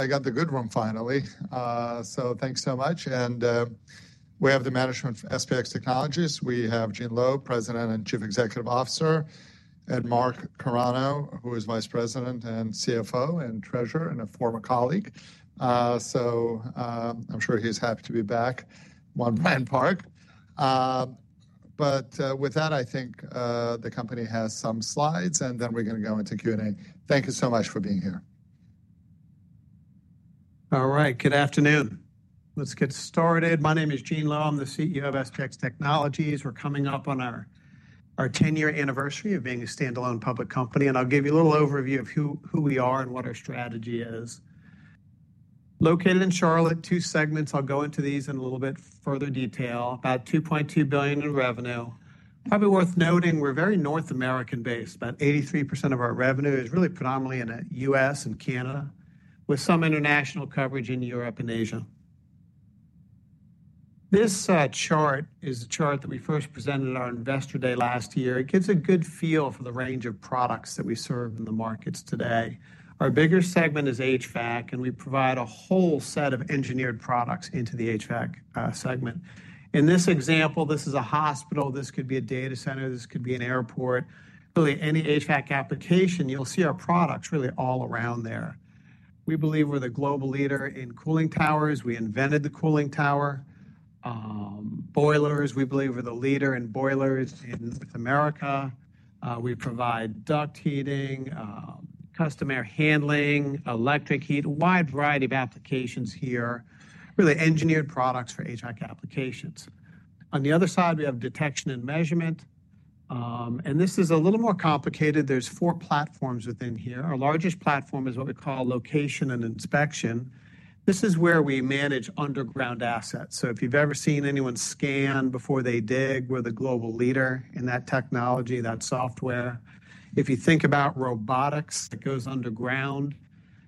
I got the good one finally. Thank you so much. We have the management from SPX Technologies. We have Gene Lowe, President and Chief Executive Officer, and Mark Carano, who is Vice President and CFO and Treasurer and a former colleague. I'm sure he's happy to be back at One Bryant Park. With that, I think the company has some slides, and then we're going to go into Q&A. Thank you so much for being here. All right. Good afternoon. Let's get started. My name is Gene Lowe. I'm the CEO of SPX Technologies. We're coming up on our 10-year anniversary of being a standalone public company. I'll give you a little overview of who we are and what our strategy is. Located in Charlotte, two segments. I'll go into these in a little bit further detail. About $2.2 billion in revenue. Probably worth noting, we're very North American-based. About 83% of our revenue is really predominantly in the U.S. and Canada, with some international coverage in Europe and Asia. This chart is the chart that we first presented at our Investor Day last year. It gives a good feel for the range of products that we serve in the markets today. Our bigger segment is HVAC, and we provide a whole set of engineered products into the HVAC segment. In this example, this is a hospital. This could be a data center. This could be an airport. Really, any HVAC application, you'll see our products really all around there. We believe we're the global leader in cooling towers. We invented the cooling tower. Boilers, we believe we're the leader in boilers in North America. We provide duct heating, custom air handling, electric heat, a wide variety of applications here, really engineered products for HVAC applications. On the other side, we have detection and measurement. And this is a little more complicated. There's four platforms within here. Our largest platform is what we call location and inspection. This is where we manage underground assets. So if you've ever seen anyone scan before they dig, we're the global leader in that technology, that software. If you think about robotics that goes underground,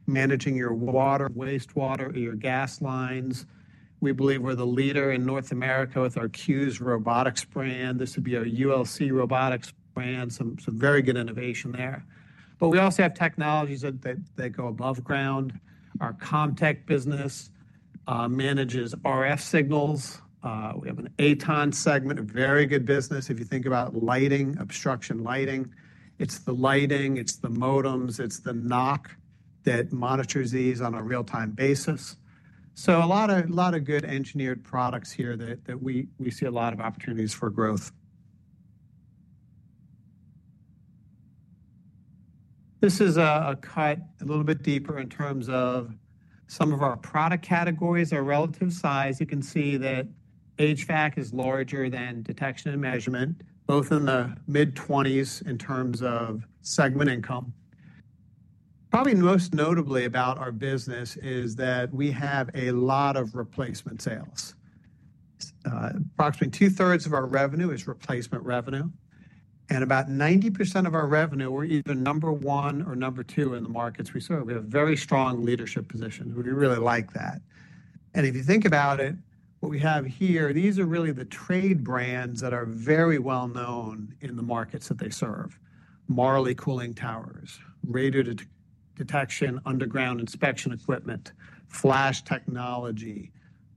managing your water, wastewater, or your gas lines, we believe we're the leader in North America with our CUES Robotics brand. Some very good innovation there. We also have technologies that go above ground. Our CommTech business manages RF signals. We have an AtoN segment, a very good business. If you think about lighting, obstruction lighting, it's the lighting, it's the modems, it's the NOC that monitors these on a real-time basis. A lot of good engineered products here that we see a lot of opportunities for growth. This is a cut a little bit deeper in terms of some of our product categories or relative size. You can see that HVAC is larger than Detection and Measurement, both in the mid-20s in terms of segment income. Probably most notably about our business is that we have a lot of replacement sales. Approximately two-thirds of our revenue is replacement revenue, and about 90% of our revenue, we're either number one or number two in the markets we serve. We have very strong leadership positions. We really like that. If you think about it, what we have here, these are really the trade brands that are very well-known in the markets that they serve: Marley Cooling Towers, Radiodetection, Underground Inspection Equipment, Flash Technology,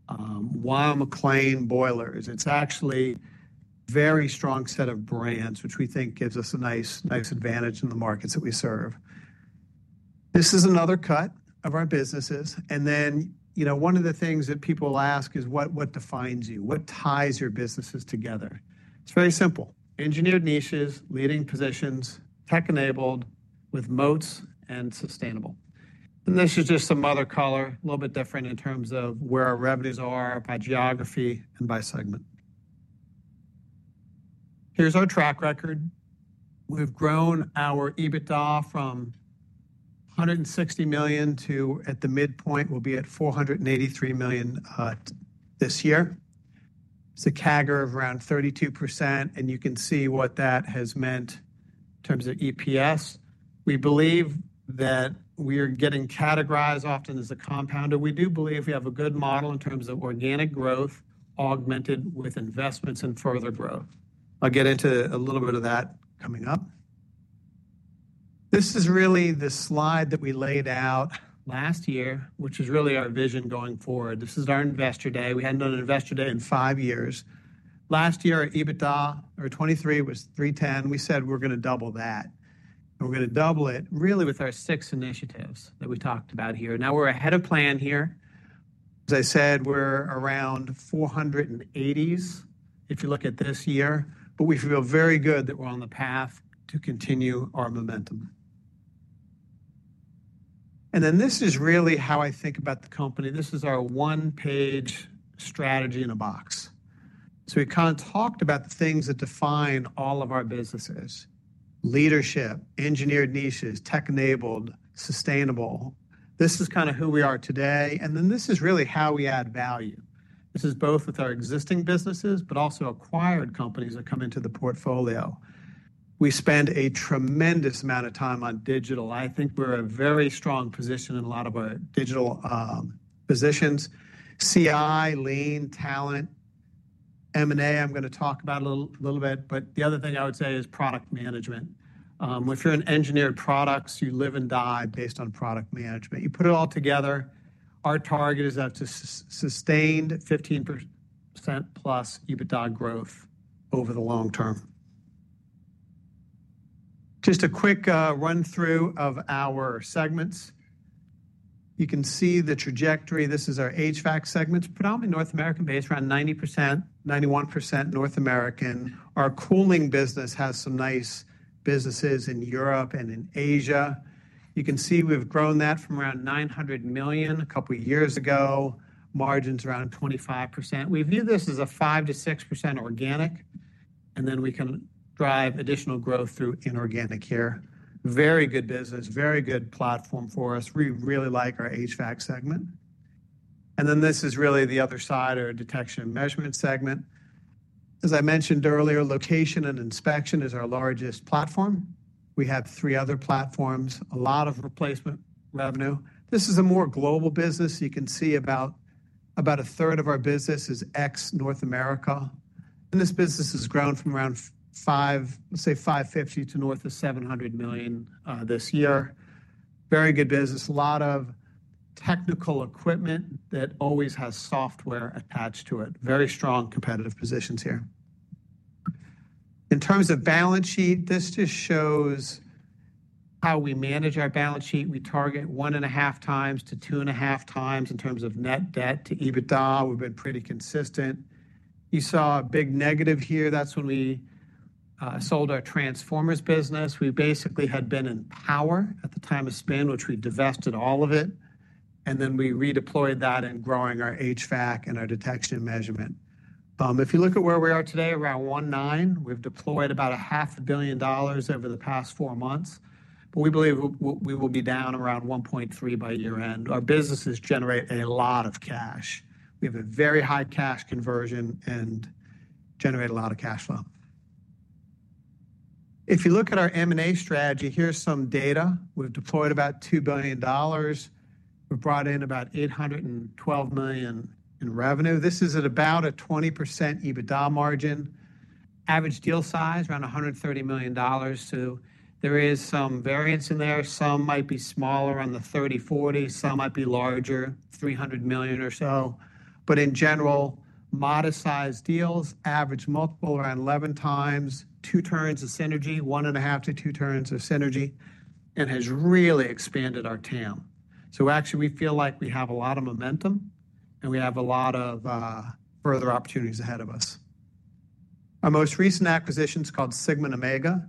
Weil-McLean Boilers. It's actually a very strong set of brands, which we think gives us a nice advantage in the markets that we serve. This is another cut of our businesses. You know, one of the things that people ask is, what defines you? What ties your businesses together? It's very simple. Engineered niches, leading positions, tech-enabled, with moats, and sustainable. This is just some other color, a little bit different in terms of where our revenues are by geography and by segment. Here's our track record. We've grown our EBITDA from $160 million to, at the midpoint, we'll be at $483 million this year. It's a CAGR of around 32%, and you can see what that has meant in terms of EPS. We believe that we are getting categorized often as a compounder. We do believe we have a good model in terms of organic growth augmented with investments and further growth. I'll get into a little bit of that coming up. This is really the slide that we laid out last year, which is really our vision going forward. This is our Investor Day. We had not done an Investor Day in five years. Last year, our EBITDA for 2023 was $310. We said, "We're going to double that, and we're going to double it," really with our six initiatives that we talked about here. Now, we're ahead of plan here. As I said, we're around $480s if you look at this year, but we feel very good that we're on the path to continue our momentum. This is really how I think about the company. This is our one-page strategy in a box. We kind of talked about the things that define all of our businesses: leadership, engineered niches, tech-enabled, sustainable. This is kind of who we are today. This is really how we add value. This is both with our existing businesses, but also acquired companies that come into the portfolio. We spend a tremendous amount of time on digital. I think we're in a very strong position in a lot of our digital positions. CI, lean, talent, M&A, I'm going to talk about a little bit, but the other thing I would say is product management. If you're in engineered products, you live and die based on product management. You put it all together. Our target is up to sustained 15%+ EBITDA growth over the long term. Just a quick run-through of our segments. You can see the trajectory. This is our HVAC segments, predominantly North American-based, around 90%-91% North American. Our cooling business has some nice businesses in Europe and in Asia. You can see we've grown that from around $900 million a couple of years ago, margins around 25%. We view this as a 5%-6% organic, and then we can drive additional growth through inorganic here. Very good business, very good platform for us. We really like our HVAC segment. This is really the other side, our Detection and Measurement segment. As I mentioned earlier, Location and Inspection is our largest platform. We have three other platforms, a lot of replacement revenue. This is a more global business. You can see about 1/3 of our business is ex-North America. This business has grown from around $550 million to north of $700 million this year. Very good business, a lot of technical equipment that always has software attached to it. Very strong competitive positions here. In terms of balance sheet, this just shows how we manage our balance sheet. We target 1.5x-2.5x in terms of net debt to EBITDA. We've been pretty consistent. You saw a big negative here. That's when we sold our transformers business. We basically had been in power at the time of spin, which we divested all of it, and then we redeployed that in growing our HVAC and our detection and measurement. If you look at where we are today, around $1.9 billion, we've deployed about $500,000,000 over the past four months, but we believe we will be down around $1.3 billion by year-end. Our businesses generate a lot of cash. We have a very high cash conversion and generate a lot of cash flow. If you look at our M&A strategy, here's some data. We've deployed about $2 billion. We've brought in about $812 million in revenue. This is at about a 20% EBITDA margin. Average deal size around $130 million. There is some variance in there. Some might be smaller on the $30 million-$40 million. Some might be larger, $300 million or so. In general, modest size deals, average multiple around 11x, two turns of synergy, one and a half to two turns of synergy, and has really expanded our TAM. Actually, we feel like we have a lot of momentum, and we have a lot of further opportunities ahead of us. Our most recent acquisition is called Sigma & Omega.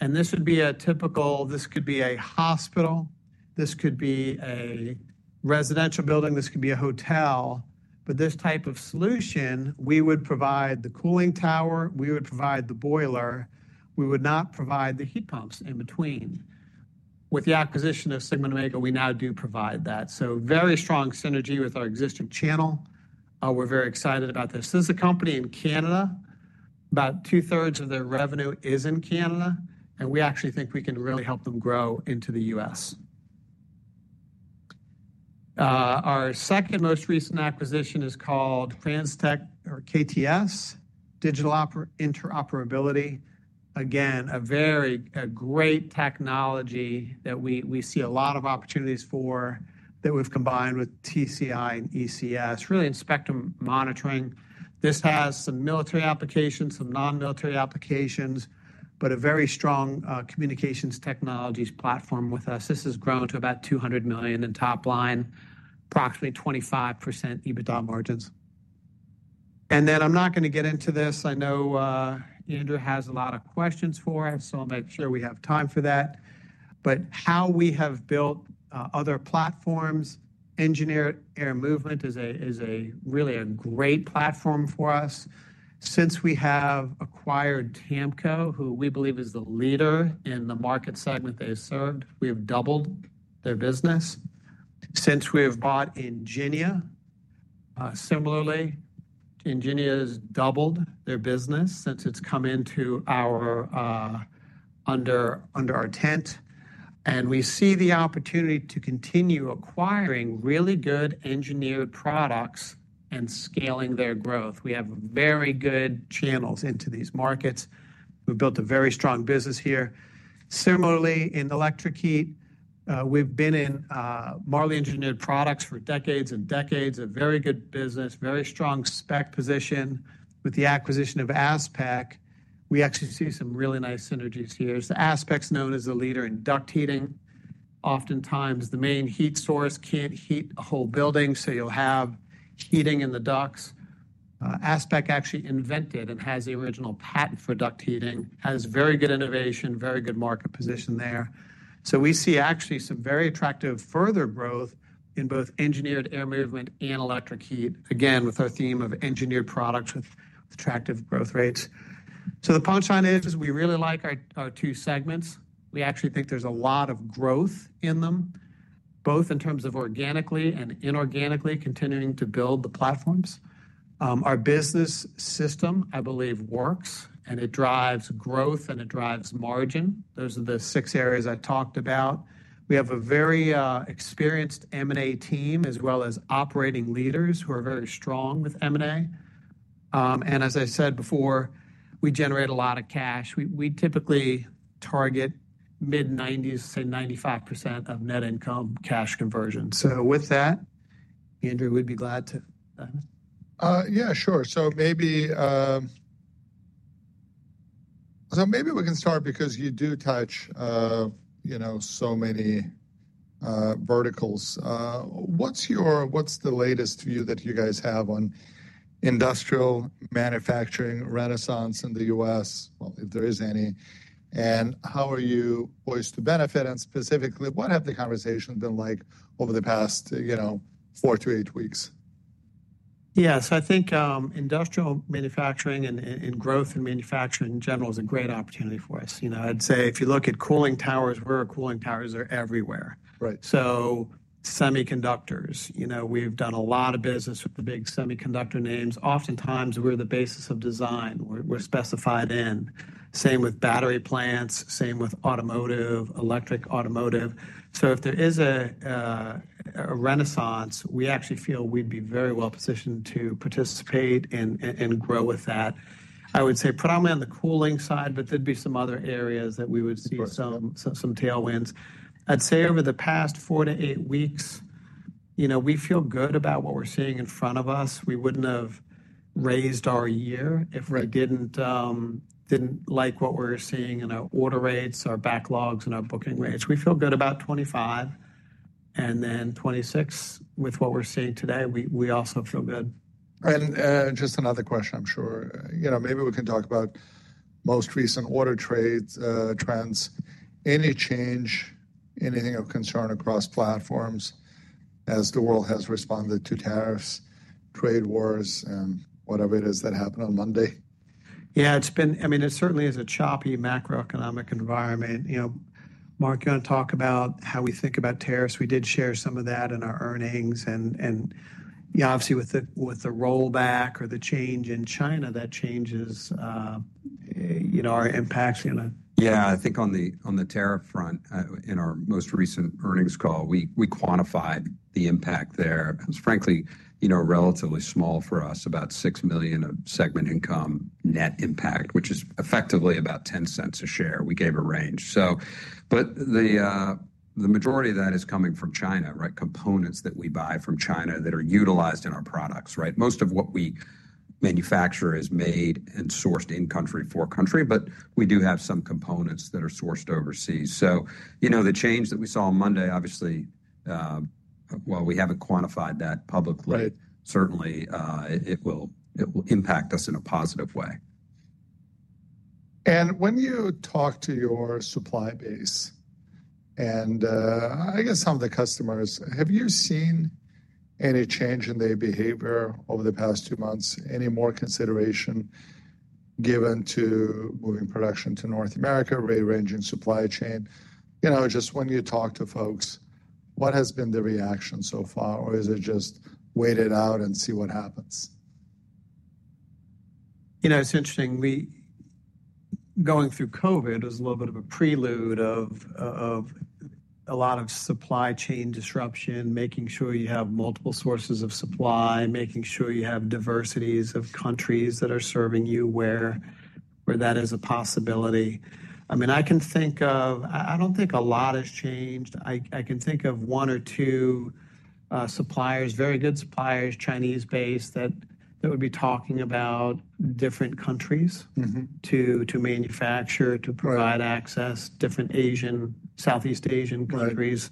This would be a typical, this could be a hospital, this could be a residential building, this could be a hotel. With this type of solution, we would provide the cooling tower, we would provide the boiler, we would not provide the heat pumps in between. With the acquisition of Sigma & Omega, we now do provide that. Very strong synergy with our existing channel. We're very excited about this. This is a company in Canada. About 2/3s of their revenue is in Canada, and we actually think we can really help them grow into the U.S. Our second most recent acquisition is called Kranze Tech or KTS, Digital Interoperability. Again, a very great technology that we see a lot of opportunities for that we've combined with TCI and ECS, really in spectrum monitoring. This has some military applications, some non-military applications, but a very strong Communications Technologies platform with us. This has grown to about $200 million in top line, approximately 25% EBITDA margins. I'm not going to get into this. I know Andrew has a lot of questions for us, so I'll make sure we have time for that. How we have built other platforms, Engineered Air Movement is really a great platform for us. Since we have acquired TAMCO, who we believe is the leader in the market segment they've served, we have doubled their business. Since we have bought Ingénia, similarly, Ingénia has doubled their business since it's come under our tent. We see the opportunity to continue acquiring really good engineered products and scaling their growth. We have very good channels into these markets. We've built a very strong business here. Similarly, in electric heat, we've been in Marley Engineered Products for decades and decades, a very good business, a very strong spec position. With the acquisition of ASPEQ, we actually see some really nice synergies here. ASPEQ is known as the leader in duct heating. Oftentimes, the main heat source can't heat a whole building, so you'll have heating in the ducts. ASPEQ actually invented and has the original patent for duct heating, has very good innovation, very good market position there. We see actually some very attractive further growth in both Engineered Air Movement and electric heat, again, with our theme of engineered products with attractive growth rates. The punchline is we really like our two segments. We actually think there's a lot of growth in them, both in terms of organically and inorganically continuing to build the platforms. Our business system, I believe, works, and it drives growth, and it drives margin. Those are the six areas I talked about. We have a very experienced M&A team as well as operating leaders who are very strong with M&A. As I said before, we generate a lot of cash. We typically target mid-90s, say 95% of net income cash conversion. With that, Andrew, we'd be glad to. Yeah, sure. Maybe we can start because you do touch, you know, so many verticals. What's your, what's the latest view that you guys have on industrial manufacturing renaissance in the U.S., if there is any, and how are you poised to benefit, and specifically, what have the conversations been like over the past, you know, four to eight weeks? Yeah, I think industrial manufacturing and growth in manufacturing in general is a great opportunity for us. You know, I'd say if you look at cooling towers, where are cooling towers? They're everywhere. Right. Semiconductors, you know, we've done a lot of business with the big semiconductor names. Oftentimes, we're the basis of design. We're specified in. Same with battery plants, same with automotive, electric automotive. If there is a renaissance, we actually feel we'd be very well positioned to participate and grow with that. I would say predominantly on the cooling side, but there'd be some other areas that we would see some tailwinds. I'd say over the past four to eight weeks, you know, we feel good about what we're seeing in front of us. We wouldn't have raised our year if we didn't like what we're seeing in our order rates, our backlogs, and our booking rates. We feel good about 2025, and then 2026 with what we're seeing today, we also feel good. Just another question, I'm sure, you know, maybe we can talk about most recent order trends. Any change, anything of concern across platforms as the world has responded to tariffs, trade wars, and whatever it is that happened on Monday? Yeah, it's been, I mean, it certainly is a choppy macroeconomic environment. You know, Mark, you want to talk about how we think about tariffs? We did share some of that in our earnings. You know, obviously with the rollback or the change in China, that changes our impact, you know? Yeah, I think on the tariff front, in our most recent earnings call, we quantified the impact there. It was, frankly, relatively small for us, about $6 million of segment income net impact, which is effectively about $0.10 a share. We gave a range. The majority of that is coming from China, right? Components that we buy from China that are utilized in our products, right? Most of what we manufacture is made and sourced in country for country, but we do have some components that are sourced overseas. You know, the change that we saw on Monday, obviously, while we haven't quantified that publicly, certainly, it will impact us in a positive way. When you talk to your supply base, and, I guess, some of the customers, have you seen any change in their behavior over the past two months? Any more consideration given to moving production to North America, rearranging supply chain? You know, just when you talk to folks, what has been the reaction so far? Or is it just wait it out and see what happens? You know, it is interesting. We going through COVID was a little bit of a prelude of a lot of supply chain disruption, making sure you have multiple sources of supply, making sure you have diversities of countries that are serving you where that is a possibility. I mean, I can think of, I don't think a lot has changed. I can think of one or two suppliers, very good suppliers, Chinese-based, that would be talking about different countries to manufacture, to provide access, different Asian, Southeast Asian countries.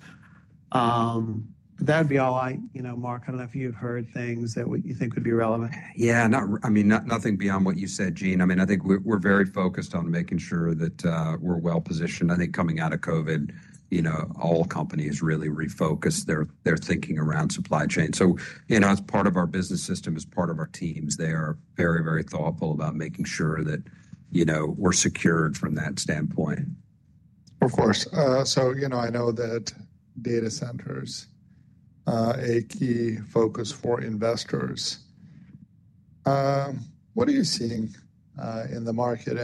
That would be all I, you know, Mark, I do not know if you have heard things that you think would be relevant. Yeah, not, I mean, nothing beyond what you said, Gene. I mean, I think we are very focused on making sure that we are well positioned. I think coming out of COVID, you know, all companies really refocus their thinking around supply chain. So, you know, it's part of our business system, it's part of our teams. They are very, very thoughtful about making sure that, you know, we're secured from that standpoint. Of course. You know, I know that data center is a key focus for investors. What are you seeing in the market?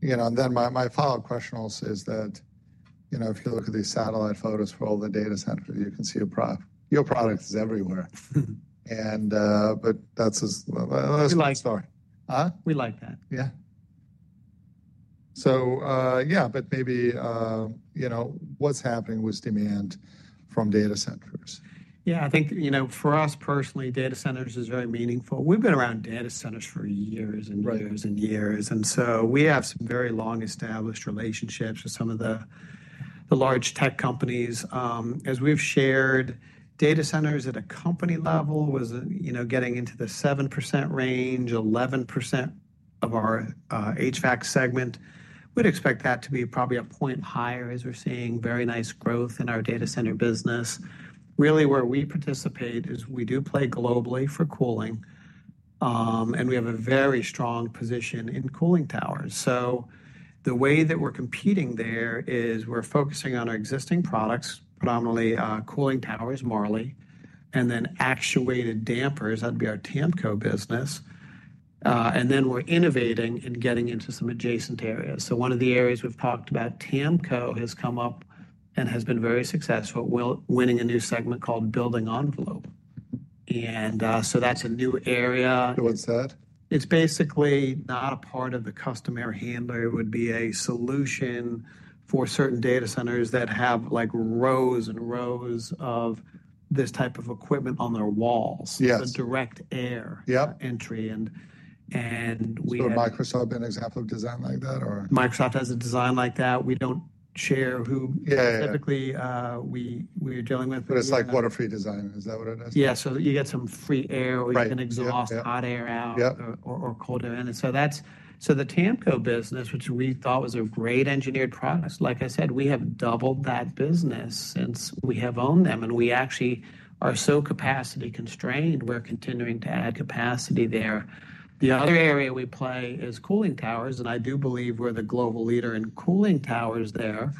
You know, and then my follow-up question also is that, you know, if you look at these satellite photos for all the data centers, you can see your product is everywhere. We like the long story. Huh? We like that. Yeah. Maybe, you know, what's happening with demand from data centers? Yeah, I think, you know, for us personally, data centers is very meaningful. We've been around data centers for years and years and years. We have some very long-established relationships with some of the large tech companies. As we've shared, data centers at a company level was, you know, getting into the 7% range, 11% of our HVAC segment. We'd expect that to be probably a point higher as we're seeing very nice growth in our data center business. Really, where we participate is we do play globally for cooling. We have a very strong position in cooling towers. The way that we're competing there is we're focusing on our existing products, predominantly, cooling towers, Marley, and then actuated dampers, that'd be our TAMCO business. We are innovating and getting into some adjacent areas. One of the areas we've talked about, TAMCO has come up and has been very successful, winning a new segment called Building Envelope. That's a new area. What's that? It's basically not a part of the customer handler; it would be a solution for certain data centers that have like rows and rows of this type of equipment on their walls. It's a direct air entry. We have. So Microsoft as an example of design like that or? Microsoft has a design like that. We don't share who specifically we are dealing with. It's like water-free design, is that what it is? Yeah, so you get some free air or you can exhaust hot air out or cold air. That's, the TAMCO business, which we thought was a great engineered product, like I said, we have doubled that business since we have owned them. We actually are so capacity constrained, we are continuing to add capacity there. The other area we play is cooling towers, and I do believe we are the global leader in cooling towers there.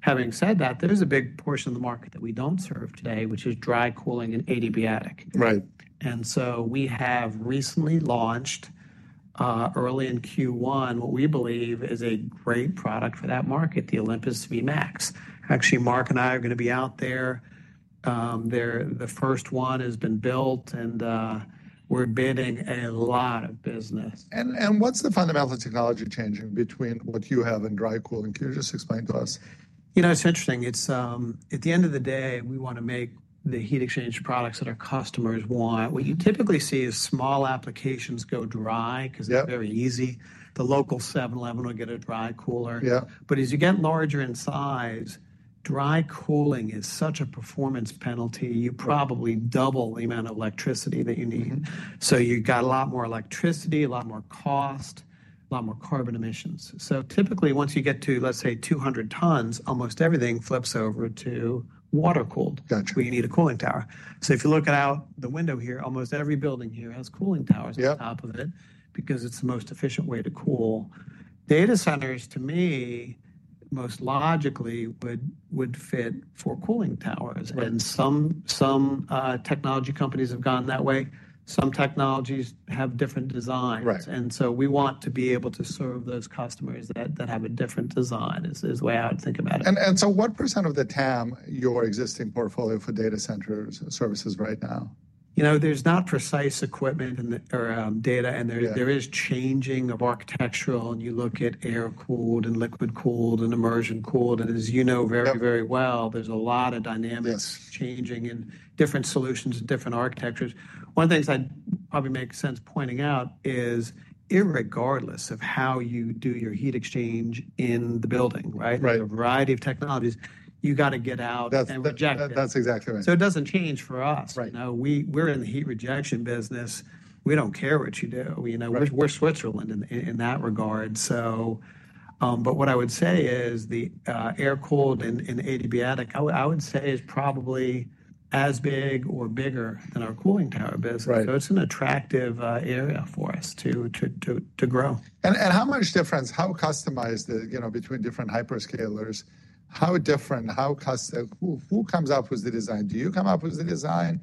Having said that, there is a big portion of the market that we don't serve today, which is dry cooling and adiabatic. We have recently launched, early in Q1, what we believe is a great product for that market, the Olympus Vmax. Actually, Mark and I are going to be out there. The first one has been built and we are bidding a lot of business. What's the fundamental technology changing between what you have and dry cooling? Can you just explain to us? You know, it's interesting. At the end of the day, we want to make the heat exchange products that our customers want. What you typically see is small applications go dry because it's very easy. The local 7-Eleven will get a dry cooler. As you get larger in size, dry cooling is such a performance penalty. You probably double the amount of electricity that you need. You got a lot more electricity, a lot more cost, a lot more carbon emissions. Typically, once you get to, let's say, 200 tons, almost everything flips over to water-cooled. You need a cooling tower. If you look out the window here, almost every building here has cooling towers on top of it because it's the most efficient way to cool. Data centers, to me, most logically would fit for cooling towers. Some technology companies have gone that way. Some technologies have different designs. We want to be able to serve those customers that have a different design, is the way I would think about it. What percent of the TAM, your existing portfolio for data center services right now? You know, there's not precise equipment or data, and there is changing of architectural. You look at air-cooled and liquid-cooled and immersion-cooled. As you know very, very well, there's a lot of dynamics changing in different solutions and different architectures. One of the things I'd probably make sense pointing out is, irregardless of how you do your heat exchange in the building, right? A variety of technologies, you got to get out and reject it. That's exactly right. It doesn't change for us. You know, we are in the heat rejection business. We don't care what you do. You know, we are Switzerland in that regard. What I would say is the air-cooled and adiabatic, I would say is probably as big or bigger than our cooling tower business. It is an attractive area for us to grow. How much difference, how customized, you know, between different hyperscalers, how different, how custom, who comes up with the design? Do you come up with the design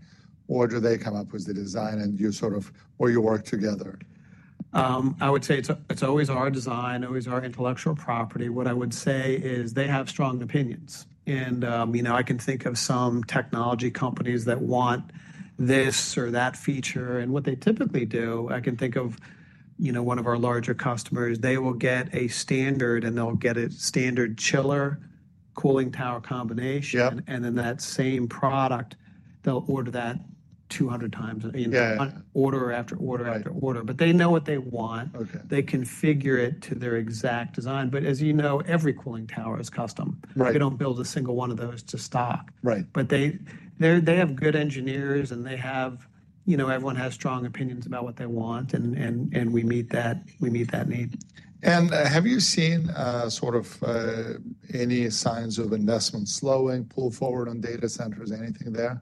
or do they come up with the design and you sort of, or you work together? I would say it's always our design, always our intellectual property. What I would say is they have strong opinions. You know, I can think of some technology companies that want this or that feature. What they typically do, I can think of, you know, one of our larger customers, they will get a standard and they'll get a standard chiller-cooling tower combination. That same product, they'll order that 200 times, you know, order after order after order. They know what they want. They configure it to their exact design. As you know, every cooling tower is custom. They don't build a single one of those to stock. They have good engineers and they have, you know, everyone has strong opinions about what they want. We meet that need. Have you seen, sort of, any signs of investment slowing, pull forward on data centers, anything there?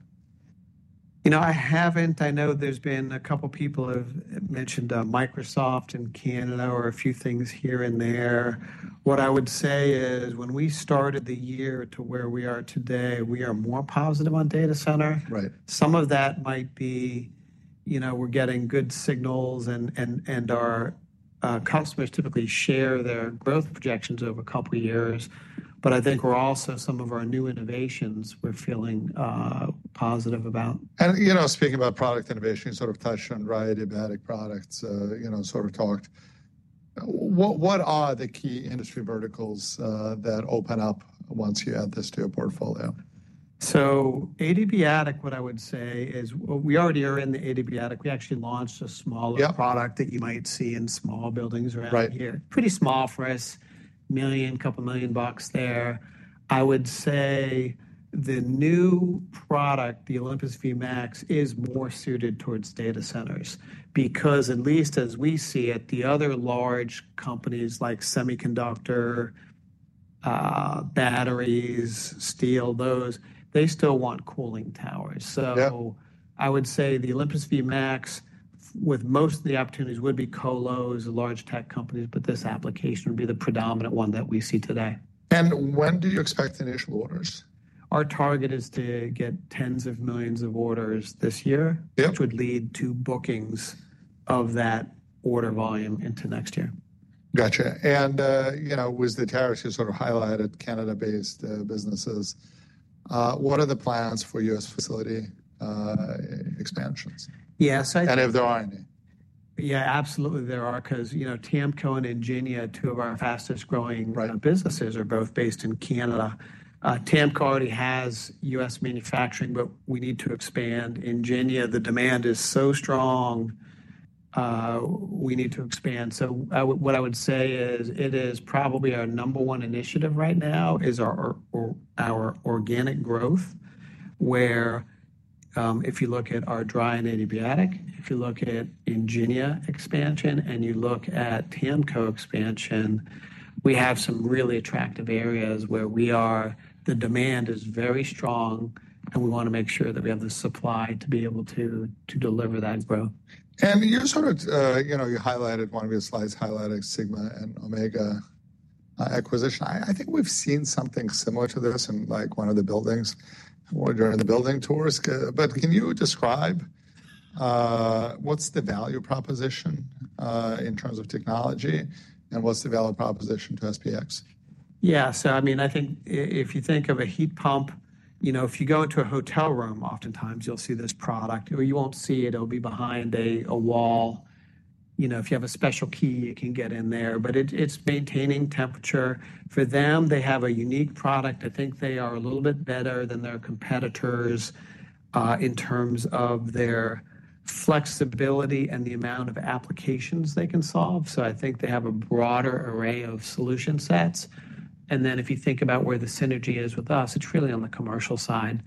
You know, I haven't. I know there's been a couple people have mentioned, Microsoft and Canada or a few things here and there. What I would say is when we started the year to where we are today, we are more positive on data center. Some of that might be, you know, we're getting good signals and our customers typically share their growth projections over a couple of years. I think we're also some of our new innovations we're feeling positive about. You know, speaking about product innovation, you sort of touched on adiabatic products, you know, sort of talked. What are the key industry verticals that open up once you add this to your portfolio? So adiabatic, what I would say is we already are in the adiabatic. We actually launched a smaller product that you might see in small buildings around here. Pretty small for us, million, couple million bucks there. I would say the new product, the Olympus Vmax, is more suited towards data centers because at least as we see it, the other large companies like semiconductor, batteries, steel, those, they still want cooling towers. I would say the Olympus Vmax with most of the opportunities would be colos and large tech companies, but this application would be the predominant one that we see today. When do you expect initial orders? Our target is to get tens of millions of orders this year, which would lead to bookings of that order volume into next year. Got you. You know, with the tariffs you sort of highlighted, Canada-based businesses, what are the plans for U.S. facility expansions? If there are any? Yeah, absolutely there are. Because, you know, TAMCO and Ingénia, two of our fastest growing businesses, are both based in Canada. TAMCO already has U.S. manufacturing, but we need to expand. Ingénia, the demand is so strong, we need to expand. What I would say is it is probably our number one initiative right now is our organic growth, where, if you look at our dry and adiabatic, if you look at Ingénia expansion and you look at TAMCO expansion, we have some really attractive areas where we are, the demand is very strong and we want to make sure that we have the supply to be able to deliver that growth. You sort of, you know, you highlighted one of your slides highlighted Sigma & Omega, acquisition. I think we've seen something similar to this in like one of the buildings. We're doing the building tours. Can you describe, what's the value proposition, in terms of technology and what's the value proposition to SPX? Yeah. I mean, I think if you think of a heat pump, you know, if you go into a hotel room, oftentimes you'll see this product or you won't see it. It'll be behind a wall. You know, if you have a special key, you can get in there. But it's maintaining temperature for them. They have a unique product. I think they are a little bit better than their competitors, in terms of their flexibility and the amount of applications they can solve. I think they have a broader array of solution sets. If you think about where the synergy is with us, it's really on the commercial side.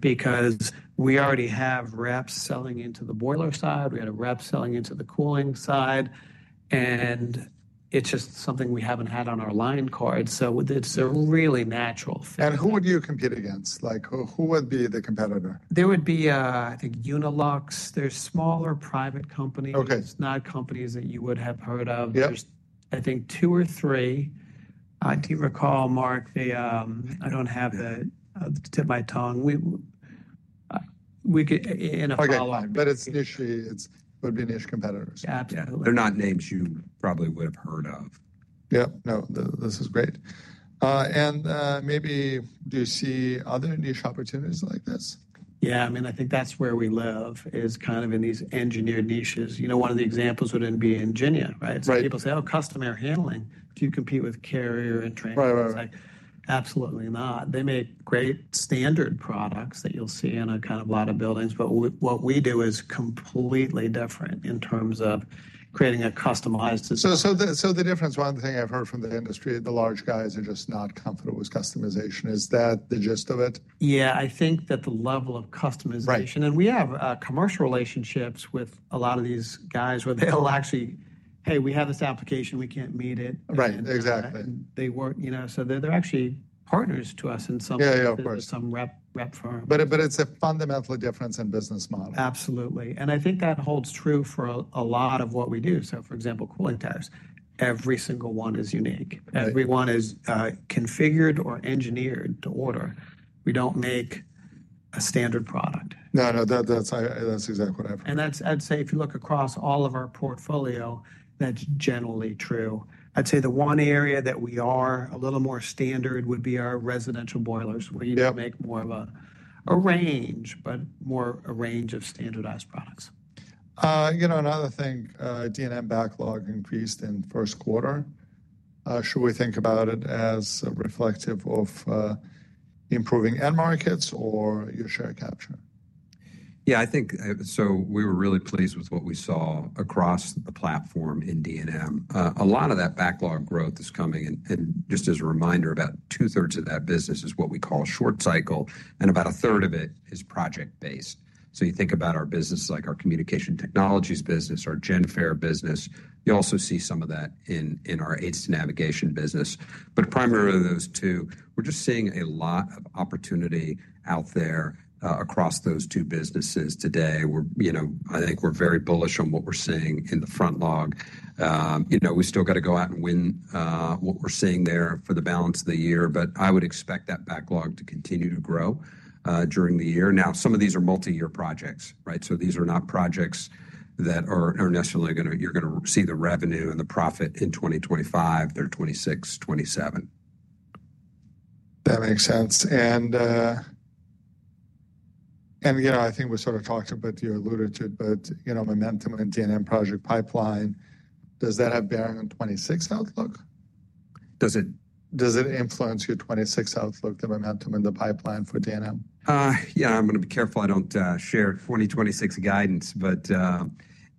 Because we already have reps selling into the boiler side. We had a rep selling into the cooling side. It's just something we haven't had on our line card. It's a really natural fit. Who would you compete against? Who would be the competitor? There would be, I think, Unilux. There are smaller private companies. It's not companies that you would have heard of. There are, I think, two or three. I do recall, Mark, I don't have it on the tip of my tongue. We could in a follow-up. But it would be niche competitors. Yeah. absolutely. They're not names you probably would have heard of. Yes. No, this is great. Maybe do you see other niche opportunities like this? Yeah. I mean, I think that's where we live, is kind of in these engineered niches. You know, one of the examples wouldn't be Ingénia, right? People say, "Oh, custom air handling." Do you compete with Carrier and Trane? Absolutely not. They make great standard products that you'll see in a lot of buildings. What we do is completely different in terms of creating a customized design. The difference, one thing I've heard from the industry, the large guys are just not comfortable with customization. Is that the gist of it? Yeah. I think that the level of customization, and we have commercial relationships with a lot of these guys where they'll actually, "Hey, we have this application. We can't meet it." Right. Exactly. They were, you know, so they're actually partners to us in some rep firm. It is a fundamental difference in business model. Absolutely. I think that holds true for a lot of what we do. For example, cooling towers, every single one is unique. Every one is configured or engineered to order. We don't make a standard product. No, that's exactly what I have heard. I would say if you look across all of our portfolio, that is generally true. I would say the one area that we are a little more standard would be our residential boilers, where you can make more of a range, but more a range of standardized products. You know, another thing, D&M backlog increased in first quarter. Should we think about it as reflective of improving end markets or your share capture? Yeah, I think so. We were really pleased with what we saw across the platform in D&M. A lot of that backlog growth is coming. Just as a reminder, about 2/3s of that business is what we call short cycle, and about 1/3 of it is project-based. You think about our business, like our Communication Technologies business, or our Genfare business. You also see some of that in our Aids to Navigation business. Primarily those two, we're just seeing a lot of opportunity out there, across those two businesses today. We're, you know, I think we're very bullish on what we're seeing in the front log. You know, we still got to go out and win, what we're seeing there for the balance of the year. I would expect that backlog to continue to grow during the year. Now, some of these are multi-year projects, right? These are not projects that are necessarily going to, you're going to see the revenue and the profit in 2025. They're 2026, 2027. That makes sense. And, you know, I think we sort of talked about, you alluded to it, but, you know, momentum in D&M project pipeline, does that have bearing on 2026 outlook? Does it influence your 2026 outlook, the momentum in the pipeline for D&M? Yeah, I'm going to be careful I don't share 2026 guidance, but,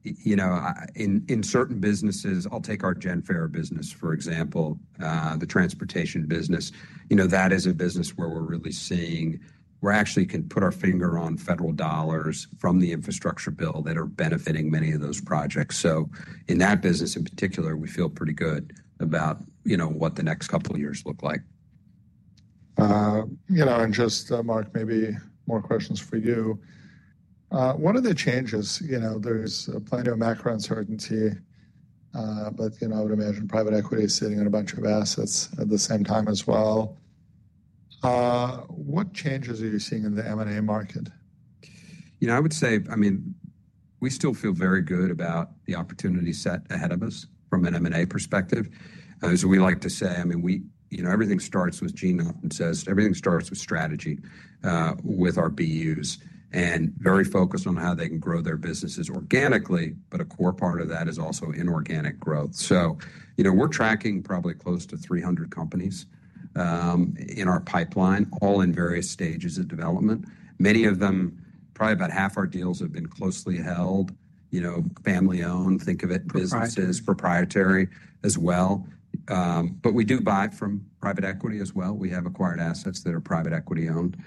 you know, in certain businesses, I'll take our Genfare business, for example, the transportation business. You know, that is a business where we are really seeing we actually can put our finger on federal dollars from the infrastructure bill that are benefiting many of those projects. So in that business in particular, we feel pretty good about, you know, what the next couple of years look like. You know, and just, Mark, maybe more questions for you. What are the changes? You know, there's plenty of macro uncertainty, but, you know, I would imagine private equity is sitting on a bunch of assets at the same time as well. What changes are you seeing in the M&A market? You know, I would say, I mean, we still feel very good about the opportunity set ahead of us from an M&A perspective. As we like to say, I mean, we, you know, everything starts with Gene Lowe and says, everything starts with strategy, with our BUs and very focused on how they can grow their businesses organically. But a core part of that is also inorganic growth. So, you know, we're tracking probably close to 300 companies in our pipeline, all in various stages of development. Many of them, probably about half our deals, have been closely held, you know, family-owned, think of it, businesses, proprietary as well. We do buy from private equity as well. We have acquired assets that are private equity owned.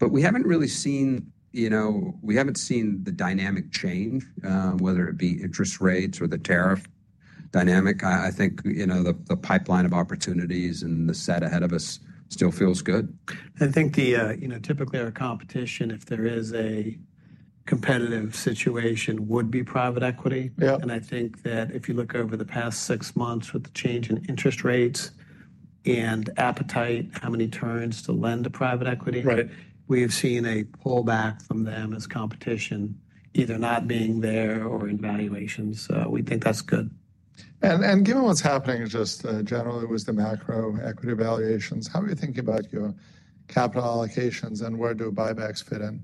We haven't really seen, you know, we haven't seen the dynamic change, whether it be interest rates or the tariff dynamic. I think, you know, the pipeline of opportunities and the set ahead of us still feels good. I think, you know, typically our competition, if there is a competitive situation, would be private equity. Yeah. I think that if you look over the past six months with the change in interest rates and appetite, how many turns to lend to private equity, we have seen a pullback from them as competition either not being there or in valuations. We think that's good. And given what's happening just, generally with the macro equity valuations, how do you think about your capital allocations and where do buybacks fit in?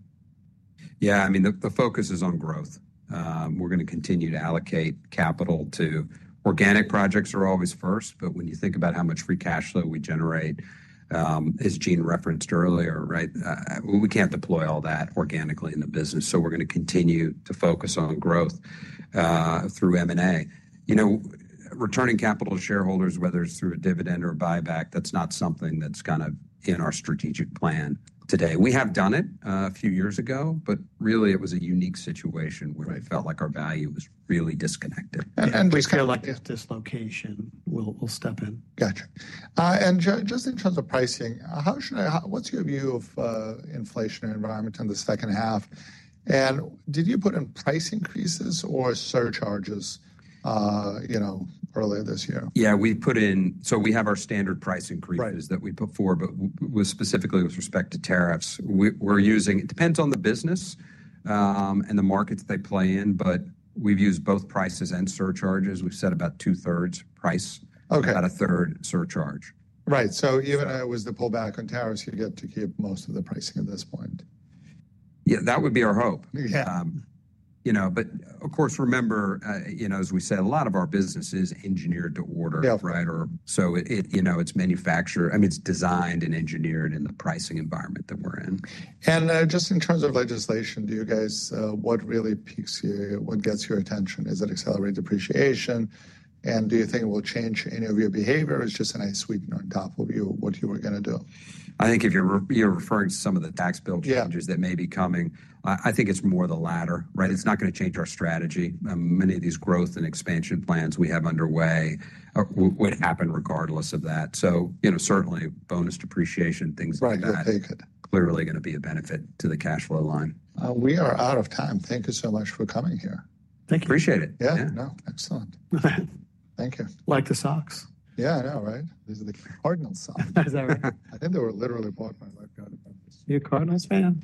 Yeah, I mean, the focus is on growth. We're going to continue to allocate capital to organic projects are always first. But when you think about how much free cash flow we generate, as Gene referenced earlier, right? We can't deploy all that organically in the business. We're going to continue to focus on growth, through M&A. You know, returning capital to shareholders, whether it's through a dividend or a buyback, that's not something that's kind of in our strategic plan today. We have done it a few years ago, but really it was a unique situation where we felt like our value was really disconnected. And we feel like if dislocation, we'll step in. Got you. And just in terms of pricing, how should I, what's your view of, inflationary environment in the second half? And did you put in price increases or surcharges, you know, earlier this year? Yeah, we put in, so we have our standard price increases that we put forward, but specifically with respect to tariffs, we're using, it depends on the business, and the markets they play in, but we've used both prices and surcharges. We've set about 2/3s price, about 1/3 surcharge. Right. So even with the pullback on tariffs, you get to keep most of the pricing at this point. Yeah, that would be our hope. Yeah. You know, but of course, remember, you know, as we said, a lot of our business is engineered to order, right? Or so it, you know, it's manufactured, I mean, it's designed and engineered in the pricing environment that we're in. Just in terms of legislation, do you guys, what really peaks you, what gets your attention? Is it accelerated depreciation? Do you think it will change any of your behavior? It is just a nice sweetener, on top of you, what you were going to do. I think if you are referring to some of the tax bill changes that may be coming, I think it is more the latter, right? It is not going to change our strategy. Many of these growth and expansion plans we have underway would happen regardless of that. You know, certainly bonus depreciation, things like that are clearly going to be a benefit to the cash flow line. We are out of time. Thank you so much for coming here. Thank you. Appreciate it. Yeah. No. Excellent. Thank you. Like the socks. Yeah. I know, right? These are the Cardinals socks. Is that right? I think they were literally bought by my godfather. You're Cardinals' fan?